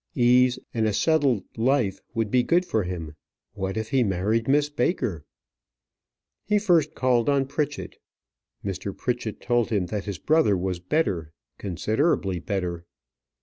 Ease and a settled life would be good for him. What, if he married Miss Baker! He first called on Pritchett. Mr. Pritchett told him that his brother was better considerably better.